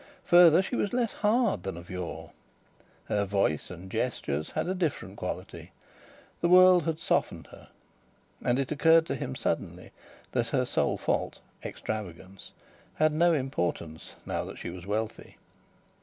Further, she was less hard than of yore. Her voice and gestures had a different quality. The world had softened her. And it occurred to him suddenly that her sole fault extravagance had no importance now that she was wealthy.